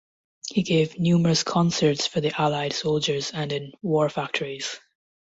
He gave numerous concerts for the Allied soldiers and in war factories.